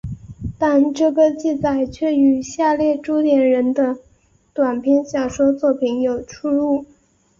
但这个记载却与下列朱点人的短篇小说作品有出入。